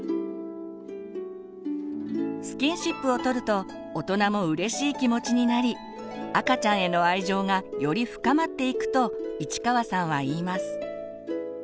スキンシップを取ると大人もうれしい気持ちになり赤ちゃんへの愛情がより深まっていくと市川さんは言います。